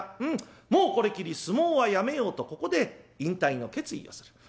うんもうこれきり相撲はやめようとここで引退の決意をする。